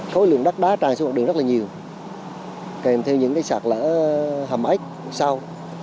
khối lượng đắt đá tràn xuống mặt đường rất là nhiều kèm theo những sạt lỡ hàm ếch sau